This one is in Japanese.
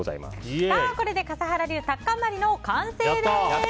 これで笠原流タッカンマリの完成です。